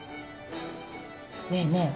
ねえねえ